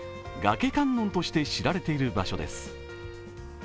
崖観音として知られている場所です。